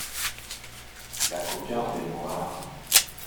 La cocarde est noire.